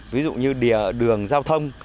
ví dụ như đường giao thông